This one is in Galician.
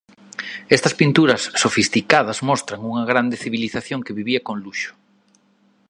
Estas pinturas sofisticadas mostran unha grande civilización que vivía con luxo.